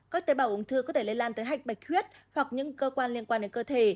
các tế bào ung thư có thể lây lan tới hạch bạch huyết hoặc những cơ quan liên quan đến cơ thể